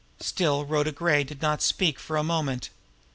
Still Rhoda Gray did not speak for a moment.